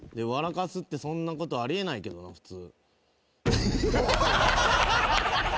かすってそんなことあり得ないけどな普通。